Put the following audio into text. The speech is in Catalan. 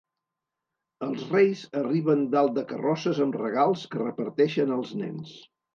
Els reis arriben dalt de carrosses amb regals que reparteixen als nens.